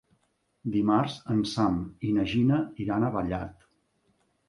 Dimarts en Sam i na Gina iran a Vallat.